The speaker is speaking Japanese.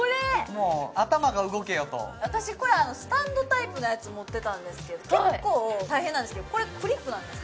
もう頭が動けよと私これスタンドタイプのやつ持ってたんですけど結構大変なんですけどこれクリップなんですか？